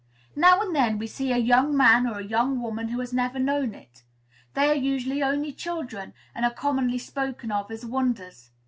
Now and then we see a young man or young woman who has never known it. They are usually only children, and are commonly spoken of as wonders.